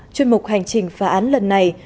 trên một hành trình phá án lần này